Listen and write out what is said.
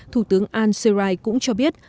thủ tướng an serai cũng cho biết